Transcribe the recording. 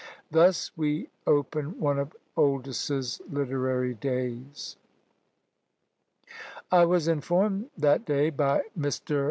Thus we open one of Oldys's literary days: I was informed that day by Mr. Tho.